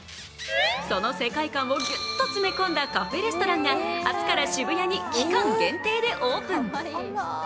その世界観をぎゅっと詰め込んだカフェレストランが明日から渋谷に期間限定でオープン。